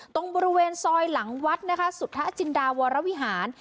ตรงบริเวณซอยหลังวัดนะคะสุทธจินดาวรวิหาร